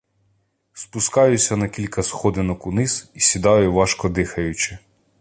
Спускаюся на кілька сходинок униз і сідаю, важко дихаючи.